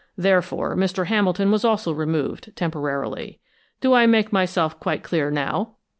Therefore, Mr. Hamilton was also removed, temporarily. Do I make myself quite clear now?"